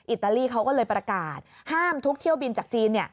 อิตาลีเขาก็เลยประกาศห้ามทุกเที่ยวบินจากจีน